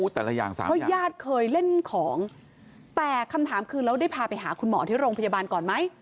แต่ละอย่างเพราะญาติเคยเล่นของแต่คำถามคือแล้วได้พาไปหาคุณหมอที่โรงพยาบาลก่อนไหม